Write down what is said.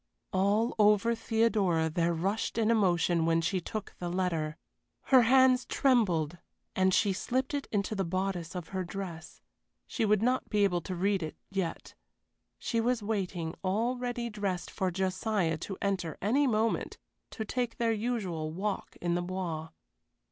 All over Theodora there rushed an emotion when she took the letter. Her hands trembled, and she slipped it into the bodice of her dress. She would not be able to read it yet. She was waiting, all ready dressed, for Josiah to enter any moment, to take their usual walk in the Bois.